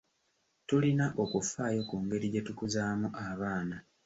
Tulina okufaayo ku ngeri gye tukuzaamu abaana.